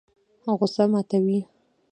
غوسه ماتوي.